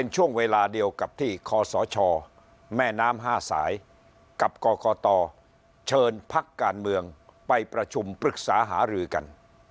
ช่วงเวลาเดียวกับที่คศแม่น้ำ๕สายกับกรกตเชิญพักการเมืองไปประชุมปรึกษาหารือกัน